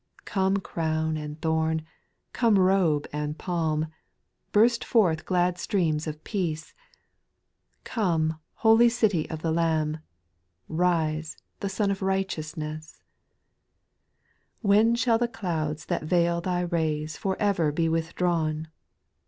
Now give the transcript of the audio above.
8. Come crown and throne, come robe and palm I Burst forth glad streams of peace I Come, holy city of the Lamb I Rise, fc^un of righteousness 1 9. When shall the clouds that veil thy rays For ever be withdrawn